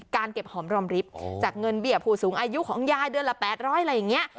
การเก็บหอมรอบริบจากเงินเบียบผู้สูงอายุของยายเดือนละแปดร้อยอะไรอย่างเงี้ย